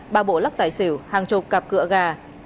ba bộ lắc tài xỉu hàng chục cặp cửa gà